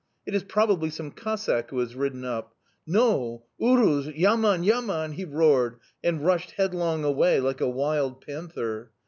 "'It is probably some Cossack who has ridden up.' "'No! Urus yaman, yaman!' he roared, and rushed headlong away like a wild panther.